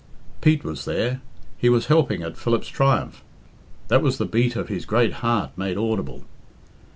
Pete was there. He was helping at Philip's triumph. That was the beat of his great heart made audible.